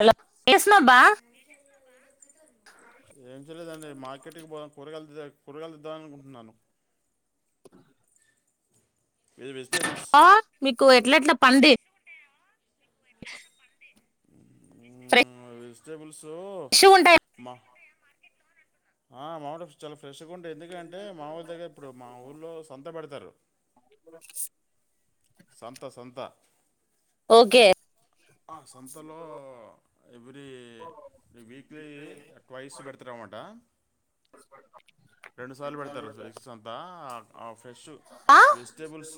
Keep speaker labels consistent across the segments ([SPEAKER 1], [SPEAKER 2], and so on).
[SPEAKER 1] Hello వేసనాబ
[SPEAKER 2] ఏం చేయలేదండి మార్కెట్కి పో కూరగాయలు కూరగాయలు తేదమ్ అనుకుంటున్నాను ఇది వెజిటేబుల్స్
[SPEAKER 1] హ మీకు ఎట్ల ఎట్లా పండి
[SPEAKER 2] ఆ వెజిటబుల్స్
[SPEAKER 1] ఫ్రెష్ ఉంటాయి
[SPEAKER 2] మా ఆ మామూలు చాలా ఫ్రై ఫ్రెష్గా ఉంటాయి ఎందుకంటే మా ఊళ్ళ దగ్గర ఇప్పుడు మా ఊళ్లో సంత పెడతారు సంత సంత
[SPEAKER 1] ఓకే
[SPEAKER 2] ఆ సంతలో ఎవ్రీ వీక్లీ ట్వైస్ పెడతారన్నమాట
[SPEAKER 1] [unintelligible]
[SPEAKER 2] రెండు సార్లు పెడతారు సంత ఆ ఫ్రెష్
[SPEAKER 1] ఆ
[SPEAKER 2] వెజిటేబుల్స్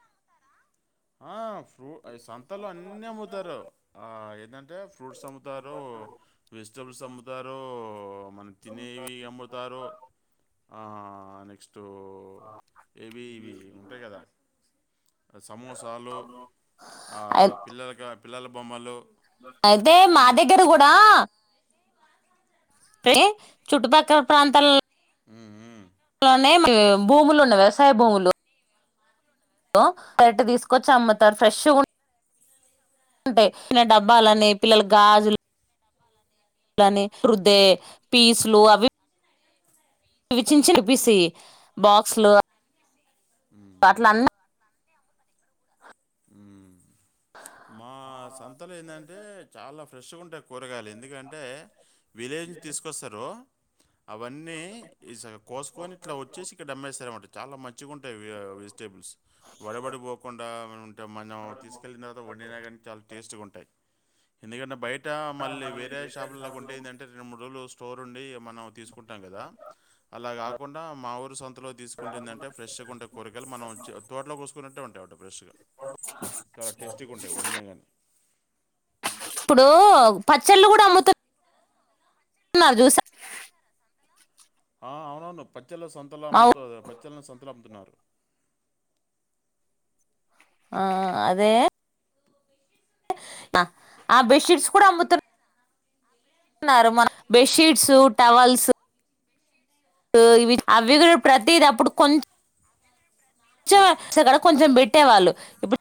[SPEAKER 1] [unintelligible]
[SPEAKER 2] ఆ ఫ్రూ సంతలు అన్నీ అమ్ముతారు ఏంటంటే ఫ్రూట్స్ అమ్ముతారు వెజిటేబుల్స్ అమ్ముతారు మన తినేవి అమ్ముతారు ఆ అ తో ఏవి ఇవి ఉంటాయి కదా సమోసాలు ఆ
[SPEAKER 1] అయి
[SPEAKER 2] పిల్లలక పిల్లల బొమ్మలు
[SPEAKER 1] అయితే మా
[SPEAKER 2] అన్నీ.
[SPEAKER 1] దగ్గర కూడా పే చుట్టుపక్కల ప్రాంతాల
[SPEAKER 2] ఉమ్ ఉ
[SPEAKER 1] ఆలోనే భూములు ఉన్నాయి వ్యవసాయ భూములు వాటిని తీసుకొచ్చి అమ్ముతారు ఫ్రెష్ ఉంటాయి చిన్న డాబాలునాయి పిల్లల గాజులు లాని రుదే పీసులు అవి ఇవి చిన్నచిన్న పీస్ బాక్స్లు అట్లన్న
[SPEAKER 2] ఉమ్ మా సంతలో ఏంటంటే చాలా ఫ్రెష్గా ఉంటయి కూరగాయలి ఎందుకంటే విలేజ్ నుంచి తీసుకొస్తారు అవన్నీ కోసుకొని ఇట్లా వచ్చేసి ఇక్కడమ్మేస్తారనమాట చాలా మంచిగా ఉంటాయి అవి వెజిటేబుల్స్ వడబడి పోకుండాంటే మనం తీసుకెళ్ళిన వండినా కానీ చాలా టేస్ట్ గా ఉంటాయి ఎందుకంటే బయ ట మళ్ళీ వేరే షాపు లో కొంటే ఏంటంటే రెండు మూడు రోలు స్టోర్ ఉండి మనం తీసుకుంటాం కదా అలా కాకుండా మా ఊరు సొంతలో తీసుకుంటేందంటే ఫ్రెష్ గా ఉంటాయి కూరగాయలు మనం తోటలోకో కుంనటే ఉంటయి
[SPEAKER 1] [unintelligible]
[SPEAKER 2] ఉండే ఉండే దాని
[SPEAKER 1] ఇప్పుడు పచ్చళ్ళు కూడా అమ్ముతు న్నారు చూశా
[SPEAKER 2] ఆ అవును పచ్చళ్ళ సంతలు
[SPEAKER 1] మా ఊ
[SPEAKER 2] అమ్ముత పచ్చళ్ని సంతలు అమ్ముతున్నారు
[SPEAKER 1] ఆ అదే ఆ ఆ బెడ్షీట్స్ కూడా అమ్ముతారు అమ్ముతున్నారు మన బెడ్షీట్స్ టవల్స్ ఇవి అవి కూడా ప్రతిది అప్పుడు కొంచెం
[SPEAKER 2] నా
[SPEAKER 1] చెం గడ కొంచెం పెట్టేవాళ్ళు ఇప్పుడు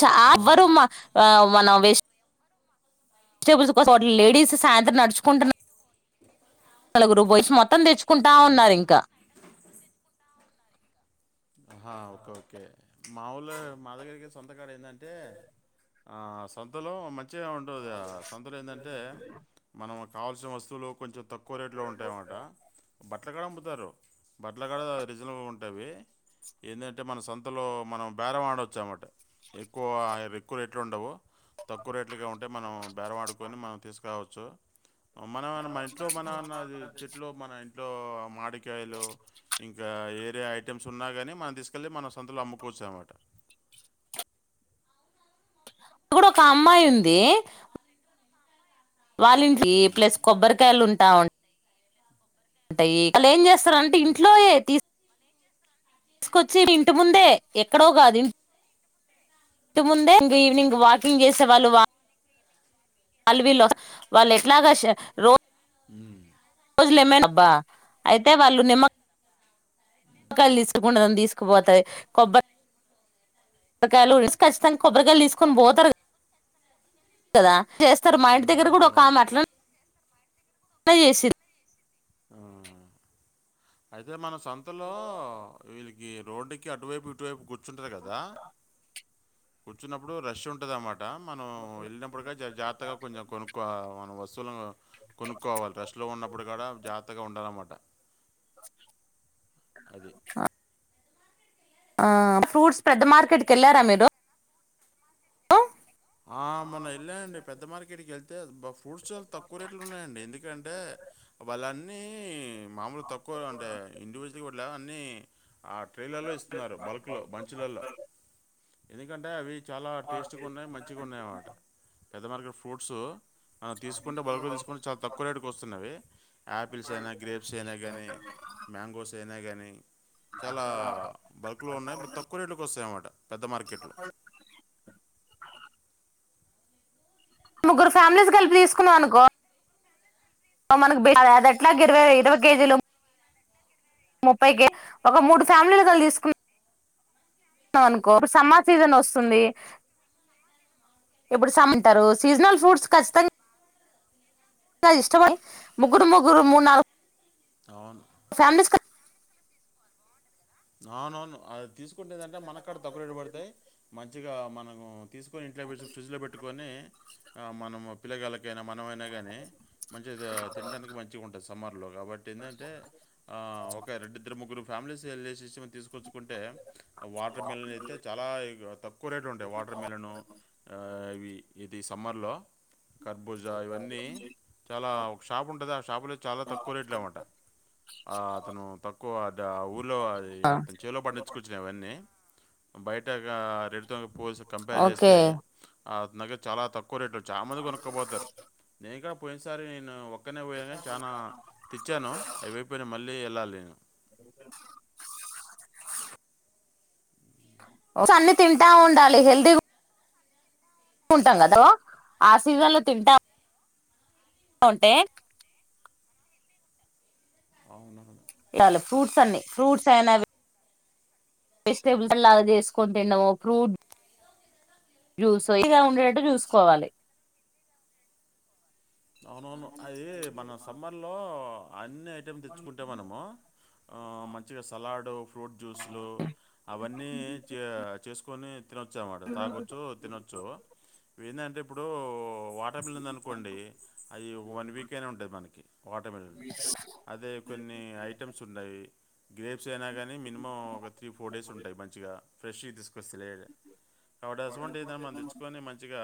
[SPEAKER 1] చా
[SPEAKER 2] ఆ!
[SPEAKER 1] ఎవరు మా మన వేస్ట్ కాజిటేబుల్స్ కో చట్ లేడీస్ సాయంత్రం నడుచుకుంటున్నా నాలుగు రూపాయిస్ మొత్తం తెచ్చుకుంటా
[SPEAKER 2] ఆ!
[SPEAKER 1] ఉన్నారు ఇంకా
[SPEAKER 2] ఓకే ఓకే మాఊలు మా దగ్గరికి సంతకాడ ఏంటంటే ఆ సొంతలో మంచి మంచిగా ఉంటుంది సంతలు ఏంటంటే మనం కావాల్సిన వస్తువులు కొంచెం తక్కువ రేట్లో ఉంటాయన్నమాట బట్టలకాడ అమ్ముతారు బట్టలకాడ రీజనబల్గా ఉంటువి ఏంటంటే మన సంతలో మనం బేరమాడవచ్చు అమాట ఎక్కువ ఎక్కువలు రెట్లు ఉండవు తక్కువ రేట్లుగా ఉంటే మనం బేరం అడుకొని మనం తీసుకోవచ్చు మనం మన ఇంట్లో మనన్నది చెట్లు మన ఇంట్లో మామిడికాయలు ఇంకా ఇలా వేరే ఐటెమ్స్ ఉన్నా కాగాని మనం తీసుకెళ్ళి మనం సొంతలు అమ్ముకోవచ్చు అన్నమాట
[SPEAKER 1] అక్కడ ఒక అమ్మాయి ఉంది వాళ్ళింటి ఏ
[SPEAKER 2] ఉమ్,
[SPEAKER 1] ప్లస్ కొబ్బరికాయలుంటా అం వస్తరంటే
[SPEAKER 2] ఉమ్,
[SPEAKER 1] ఇంట్లోయే తీ తీసుకొచ్చి ఇంటి ముందే ఎక్కడో కాదు ఇంటిముందే ఇ ఈవినింగ్ వాకింగ్ చేసేవాళ్ళు వాళ్ళు వీళ్ళు వాళ్ళు ఎట్లాగా రోజ
[SPEAKER 2] ఉమ్,
[SPEAKER 1] రోజులేమేబ్బా అయితే వాళ్ళు నిమ్మ కాయలు ఇసుకుండ తీసుకుపోతాయి కొబ్బ కొబ్బరికాయలు ఉసి ఖచ్చితంగా కొబ్బరికాయలు తీసుకొని పోతారు కదా చేస్తారు మా ఇంటి దగ్గర
[SPEAKER 2] ఉమ్,
[SPEAKER 1] కూడా ఒక
[SPEAKER 2] అవునవును
[SPEAKER 1] ఆమె అట్ల చేసింది
[SPEAKER 2] ఆ, అయితే మన సంతలో వీళ్ళకి రోడ్డుకి అటువైపు ఇటువైపు గుర్ కూర్చుంటారు కదా కూర్చున్నప్పుడు రష్ ఉంటుంది అన్నమాట మనం వెళ్ళినప్పుడుక జాగత్తగా కొంచెం కొనుక్కో మనం వ వస్తువులను కొనుక్కోవాలి రెష్ లో ఉన్నప్పుడు కూడా జాగ్రత్తగా ఉండాలన్నమాట అది
[SPEAKER 1] ఫ్రూట్స్ పెద్ద మార్కెట్ కి వెళ్ళారా మీరు ఆ
[SPEAKER 2] ఆ మొన వెళ్ళాయండి పెద్ద మార్కెట్ కి వెళ్తే ఫ్రూడ్స్ చాలా తక్కువ రేట్లు ఉన్నాయండి ఎందుకంటే వాళ్ళన్నీ మామూలు తక్కువ అంటే ఇండివిజువల్గా కూడాట్లా అన్నీ ఆ ట్రైలర్లో ఇస్తున్నారు బల్క్లో మంచులలో ఎందుకంటే అవి చాలా టేస్ట్గా ఉన్నాయి మంచిగా ఉన్నాయి అన్నమాట పెద్ద మరగ ఫ్రూట్స్ అ తీసుకుంటే బల్క్ తీసుకుంటే చాలా తక్కువ రేటుకే వస్తున్నవి ఆపిల్స్ అయినా గ్రేప్స్ అయినా కాగానీ మ్యాంగోస్ అయినా గానీ చాలా బల్క్లో ఉన్నాయి తక్కువ రేట్లకు వస్తాయన్నమాట పెద్ద మార్కెట్లు
[SPEAKER 1] ముగ్గురు ఫ్యామిలీస్ కలిపి తీసుకున్నాం అనుకో మనకు అదట్లాగా ఇరవై ఇరవై కేజీలు ముప్పైకి ఒక మూడు ఫ్యామిలీలు కలి తీసుకున్నా అనుకో ఇప్పుడు సమ్మర్ సీజన్ వస్తుంది ఎప్పుడు సమంటారు సీజనల్ ఫ్రూట్స్ ఖచ్చితంగా [unintelligible] ఇష్టమై ముగ్గురు ముగ్గురు మూడు నాలుగు
[SPEAKER 2] అవును
[SPEAKER 1] ఫ్యామ్ లీస్
[SPEAKER 2] అవున అవును అది తీసుకోటలేదట మనకాడ తక్కువ రేట్ పడతాయి మంచిగా మనం తీసుకొని ఇంట్లో పె ఫ్రిడ్జ్లో పెట్టుకొని మనం పిల్లగాల ఇకైనా మనమైనా కానీ మంచిగా తినడానికి మంచిగా ఉంటుంది సమ్మర్లో కాబట్టి ఏందంటే ఆ ఒక రెడ్డిద్దరు ముగ్గురు ఫ్యామిలీస్ వెల్లేసేసి తీసుకొచ్చుకుంటే వాటర్ మిలన్ అయితే చాలా తక్కువ రేటు ఉంటాయి వాటర్ మిలన్ ఆ ఇవి ఇది సమ్మర్లో కర్బూజ ఇవన్నీ చాలా ఒక షాప్ ఉంటది ఆ షాపు లో చాలా తక్కువ రేట్లు అనమాట ఆ అతను తక్కువ ఊర్లో అది చేలో పడించుకోచ్చినవి అవన్నీ బయట ఇగ పోస్ కంపేర్
[SPEAKER 1] ఓకే
[SPEAKER 2] చేస్తే అతని దగ్గర చాలా తక్కువ రేట్ చాలా మంది కొనుక్కపోతారు నేను కూడా పోయినసారి నేను ఒక ఓక్కనే పోయాను కానీ చానా తెచ్చాను అవి అయిపోయినా మళ్ళీ వెళ్ళాలి నేను
[SPEAKER 1] అన్నీ తింటా ఉండాలి హెల్తీగా ఉంటాం కదా ఆ సీజన్లు తింటా ఉంటే
[SPEAKER 2] అవునవును
[SPEAKER 1] తినాలి ఫ్రూట్స్ అన్ని ఫ్రూట్స్ అయినావి వెజిటేబుల్స్ లాగా చేసుకోని తిన్నడము ఫ్రూట్ జ్యూస్ ఇలా ఉండేటట్టు జూసుకోవాలి [unintelligible]
[SPEAKER 2] అవునవును అది మన సమ్మర్లో అన్ని ఐటెమ్ తెచ్చుకుంటే మనము ఆ మంచిగా సలాడు ఫ్రూట్ జ్యూస్లు అవన్నీ చే చేసుకొని తినొచ్చు అనమాట తాగోచ్చు తినొచ్చు ఎందంటే వాటర్ మిలన్ ఉంది అనుకోండి అది ఒక వన్ వీక్ అయినే ఉంటుంది మనకి వాటార్ మెలన్ అదే కొన్ని ఐటమ్స్ ఉన్నాయి గ్రేప్స్ అయినా గానీ మినిమం ఒక త్రీ ఫోర్ డేస్ ఉంటాయి మంచిగా ఫ్రెష్ తీసుకు కాబట్టి అసవంట ఏదైనా మనం తెచ్చుకొని మంచిగా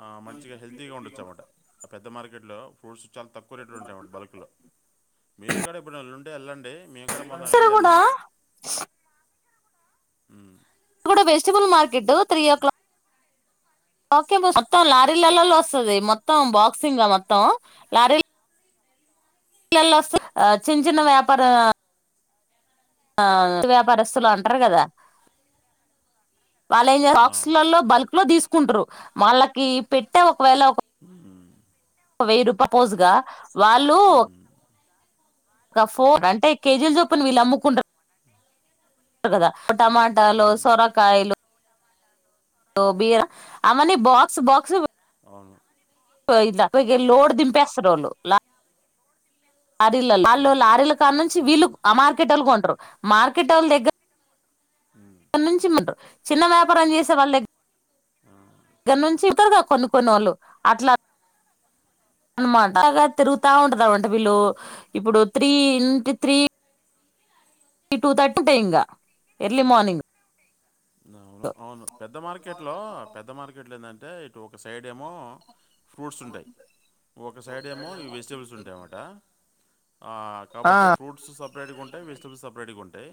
[SPEAKER 2] ఆ మంచిగా హెల్తీగా ఉండొచ్చు అన్నమాట ఆ పెద్ద మార్కెట్లో ఫ్రూట్స్ చాలా తక్కువ రేట్లు ఉంటాయిన్నమాట బల్క్లో మీరు గాడ ఇప్పుడుంటే వెళ్ళండి మేము కూడా మొన్నం
[SPEAKER 1] సరే
[SPEAKER 2] వెళ్ళాం
[SPEAKER 1] కూడా
[SPEAKER 2] మేము ఉం
[SPEAKER 1] అక్కడ కూడా vegetable market three o'clock okay మొత్తం లారీలలల్లో వస్తుంది మొత్తం బాక్సింగ్ మొత్తం లారీలు పలల్లో వస్త చిన్న చిన్న వ్యాపార [unintelligible] ఆ వ్యాపరిస్తులు అంటారు కదా వాళ్ళు ఏం
[SPEAKER 2] ఆ.
[SPEAKER 1] బాక్స్లలో బల్క్ లో తీసుకుంటారు వాళ్ళకి పెట్టే ఒకవేళ
[SPEAKER 2] ఊ హమ్
[SPEAKER 1] ఒక వెయ్యి రూపాయ సపోజుగా వాళ్ళు
[SPEAKER 2] ఉమ్.
[SPEAKER 1] ఫో అంటే కేజీల్ చొప్పును వీళ్ళు అమ్ముకుంట్ర కదా టమాటాలు
[SPEAKER 2] ఉమ్.
[SPEAKER 1] సొరకాయలు బిర అవన్నీ బాక్స్ బాక్స్
[SPEAKER 2] అవును
[SPEAKER 1] లోడ్ దింపేస్తరూ వాళ్ళు ల లారీల వాళ్ళ
[SPEAKER 2] అది.
[SPEAKER 1] లారీల కా నుంచి వీళ్లు ఆ మార్కెట వాళ్ళు కొంటారు మార్కెట వాళ్ళ దగ్గర
[SPEAKER 2] ఉమ్.
[SPEAKER 1] ఇక్కడ నుంచి చిన్న వ్యాపారలు చేసేవాళ్ళ దగ్గర నుంచి కొను కొనోళ్ళు అట్లా అనమాట బాగా తిరుగుతా ఉంటదన్నమట వీళ్ళు ఇప్పుడు త్రీ ఇంటి త్రీ టూ థర్టీ టై లే ఇంగ ఎర్లీ మార్నింగ్
[SPEAKER 2] అవును అవును పెద్ద మార్కెట్ లో పెద్ద మార్కెట్ లో ఎందంటే అ ఒక సైడ్ ఏమో ఫ్రూట్స్ ఉంటాయి. ఒక సైడ్ ఏమో ఈ వెజిటబుల్స్ ఉంటాయ అన్నట ఆ కాబట్టి
[SPEAKER 1] ఆ
[SPEAKER 2] ఫ్రూట్స్ సపరేట్గా ఉంటాయి వెజటబుల్స్ సపరేట్గా ఉంటాయి.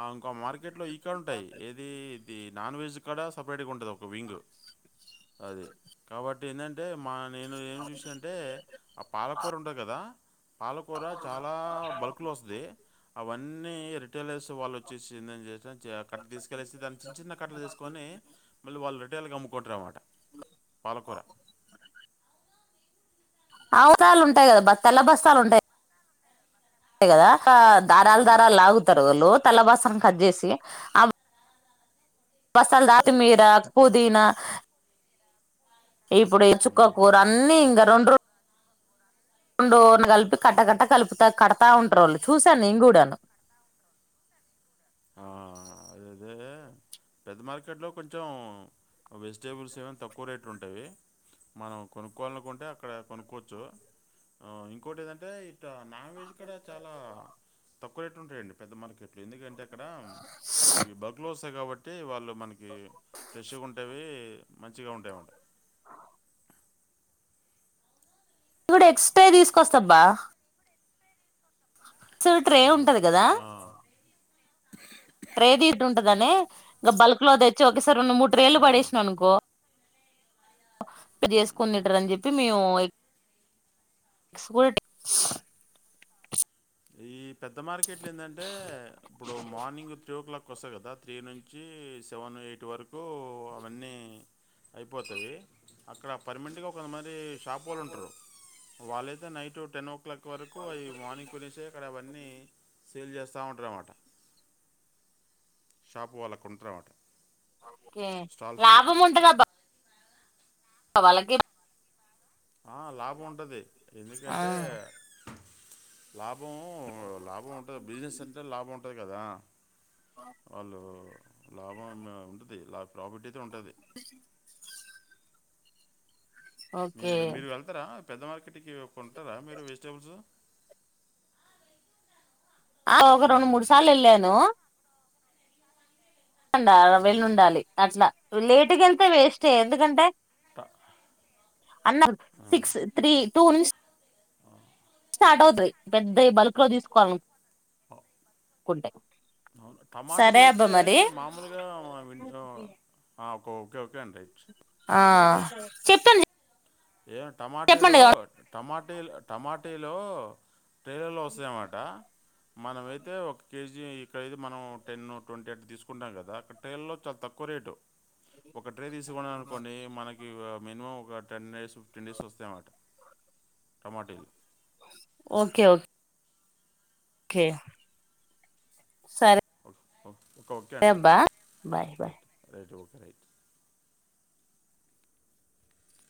[SPEAKER 2] ఆ ఒక మార్కెట్ లో ఈక్కడ ఉంటాయి ఏది ఇది నాన్ వెజ్ కాడా సపరేట్ గా ఉంటది ఒక వింగ్ అది కాబట్టి ఏంటంటే మా నేను ఏం చూసాను అంటే ఆ పాలకూర ఉండదు కదా పాలకూర చాలా బల్క్ లో వస్తది అవన్నీ రిటైలర్స్ వాళ్ళు వచ్చేసిందని చే అక్కడకి తీసుకెళ్సి దానికి చిన్న చిన్న కట్టలు తీసుకొని మళ్ళీ వాళ్ళు రిటైల్గా అమ్ముకుంటారున్నమాట పాల కూర
[SPEAKER 1] అవసరాలు ఉంటాయి కదా బ తెల్ల బస్తాలు ఉంటాయి కదా ఆ దారాలు
[SPEAKER 2] ఆ!
[SPEAKER 1] దారాలు లాగుతారు వాళ్ళు తెల్ల బాసను కట్ చేసి ఆ వసల్ దతి మీదా పుదీనా ఇప్పుడు చుక్క కూరు అన్నీ ఇంగ రెండు రోను కలిపి కట్టకట్ట కలుపుతా కడతా ఉంటారు వాళ్ళు చూశాను నేను కూడాను అ
[SPEAKER 2] ఆ అద అదే పెద్ద మార్కెట్లో కొంచెం వెజిటేబుల్స్ ఏమైనా తక్కువ రేట్లు ఉంటాయి మనం కొనుక్కోవాలనుకుంటే అక్కడ కొనుక్కోవచ్చు ఇంకోటి ఏదంటే నాన్ వెజ్ కూడా చాలా తక్కువ రేట్ ఉంటాయండి పెద్ద మార్కెట్ లో అక్కడ అవి బక్లు వస్తాయి కాబట్టి వాళ్ళు మనకి ఫ్రెష్గా ఉంటేవి మంచిగా ఉంటాయి
[SPEAKER 1] కూడా ఎక్స్ట్రాయ తీసుకొస్తాబ్బా సార్ ట్రే
[SPEAKER 2] ఆ!
[SPEAKER 1] ఉంటది కదా
[SPEAKER 2] ఆ!
[SPEAKER 1] తేదట్టుండ ని ఇం బల్క్ లో తెచ్చి ఒకేసారి రెండు మూడు ట్రేలు
[SPEAKER 2] హ్మ్.
[SPEAKER 1] పడేసినా అనుకో ఇది చేసుకునిట్టారు అని చెప్పి మేము స్కూల్స్
[SPEAKER 2] ఈ పెద్ద మార్కెట్లు ఏంటంటే ఇప్పుడు మార్నింగ్ త్రీ ఓ క్లాక్ వస్తా కదా త్రీ నుంచి సెవెన్ ను యైట్ వరకు అవన్నీ అయిపోతుాయి అక్కడ పర్మినెంట్గా కొంతమంది షాప్ వాళ్ళు ఉంటారు వాళ్ళైతే నైట్ టెన్ ఓ క్లాక్ వరకు అవి మార్నింగ్ గురి అక్కడ అవన్నీ సేల్ చేస్త వస్తా ఉంటారన్నమాట షాపు వాళ్ళకు ఉంటారమాట
[SPEAKER 1] ఓకే లాభం ఉంటది అబ్బ వాళ్ళకి
[SPEAKER 2] లాభం ఉంటది
[SPEAKER 1] ఆ
[SPEAKER 2] ఎందుకంటే లాభం లాభం ఉంటది బిజినెస్ అంటే లాభం ఉంటది కదా వాళ్ళు లాభం ఉంటది లాభ ప్రాపర్టీ అయితే ఉంటది
[SPEAKER 1] ఓకే
[SPEAKER 2] మీరు మీరు వెళ్తారా పెద్ద మార్కెట్కి కొంటారా మీరు వెజిటేబుల్స్
[SPEAKER 1] ఆ ఒక రెండు మూడు సార్లు వెళ్ళాను వెళ్ళి ఉండాలి అట్లా లేటుకి వెళ్తే వేస్ట్ ఏ ఎందుకంటే
[SPEAKER 2] ట-
[SPEAKER 1] అన్న
[SPEAKER 2] ఆ,
[SPEAKER 1] సిక్స్ తీ టూ స్టార్ట్ అవుతాయి పెద్దవి బల్క్ లో తీసుకోవాలను కుంటే
[SPEAKER 2] టమోటలయితే మామ్ ఆ ఓకే ఓకే ఓకే అండి
[SPEAKER 1] ఆ చెప్పండి
[SPEAKER 2] ఏం టమాటీలో టమాటీలు టమాటీలో ట్రైలర్లో వస్తాయన్నమాట మనమైతే ఒక కేజీ డైలీ మనం టెన్, ట్వంటీ అట్ తీసుకుంటాం కదా అక్కడ ట్రైన్ లో చాలా తక్కువ రేటు ఒక ట్రే తీసుకు అనుకోండి మనకి మినిమం ఒక టెన్ డేస్ ఫిఫ్టీన్ డేస్ వస్తాయన్నమాట టమాటీలు
[SPEAKER 1] ఓకే ఓ కే సరే
[SPEAKER 2] ఓకే ఓకే అండి
[SPEAKER 1] అబ్బా బాయ్ బాయ్
[SPEAKER 2] [unintelligible]